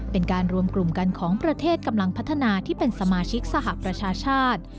เป็นการรวมกลุ่มกันของประเทศกำลังพัฒนาที่เป็นสมาชิกสหประชาชาติ